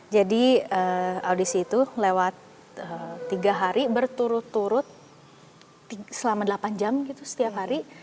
jadi audisi itu lewat tiga hari berturut turut selama delapan jam gitu setiap hari